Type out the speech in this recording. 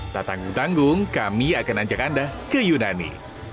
tak tanggung tanggung kami akan ajak anda ke yunani